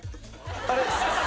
あれ？